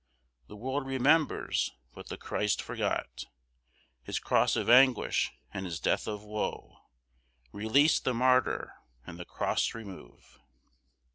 The world remembers what the Christ forgot; His cross of anguish and His death of woe; Release the martyr, and the Cross remove!